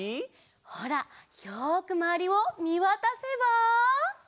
ほらよくまわりをみわたせば。